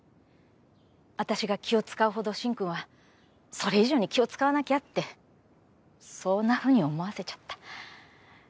私が気を使うほど進くんはそれ以上に気を使わなきゃってそんなふうに思わせちゃった。